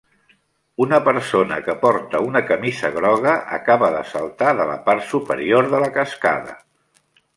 Una persona que porta una camisa groga acaba de saltar de la part superior de la cascada.